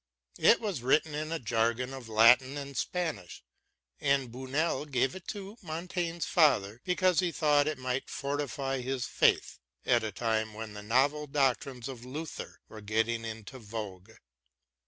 It was written in a jargon of Latin and Spanish, and Bunel gave it to Montaigne's father because he thought it might fortify his faith at a time when the novel doctrines of Luther were getting into vogue.